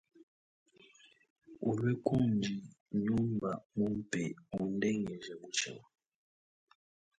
Ulwe kundi nyumba mumpe undengeje mutshima.